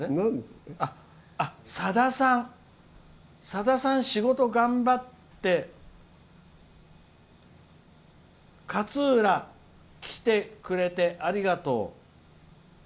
「さださん、仕事頑張って勝浦来てくれてありがとう」。